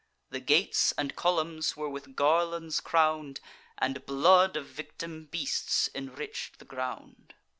The gates and columns were with garlands crown'd, And blood of victim beasts enrich'd the ground.